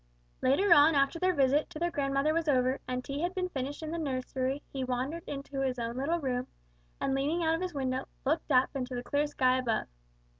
Later on after their visit to their grandmother was over, and tea had been finished in the nursery, he wandered into his own little room, and leaning out of his window, looked up into the clear sky above.